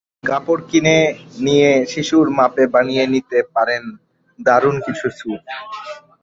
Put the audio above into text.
কাপড় কিনে নিয়ে শিশুর মাপে বানিয়ে নিতে পারেন দারুণ কিছু স্যুট।